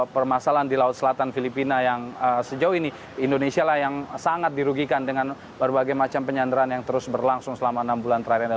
permasalahan di laut selatan filipina yang sejauh ini indonesia lah yang sangat dirugikan dengan berbagai macam penyanderaan yang terus berlangsung selama enam bulan terakhir ini